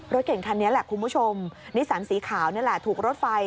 รถเก่งคันนี้แหละคุณผู้ชมนิสันสีขาวนี่แหละถูกรถไฟ